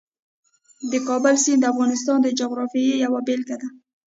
د کابل سیند د افغانستان د جغرافیې یوه بېلګه ده.